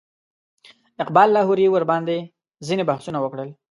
اقبال لاهوري ورباندې ځینې بحثونه وکړل.